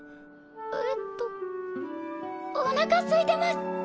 えっとおなかすいてます！